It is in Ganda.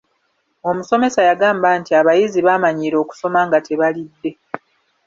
Omusomesa yagamba nti abayizi baamanyiira okusoma nga tebalidde.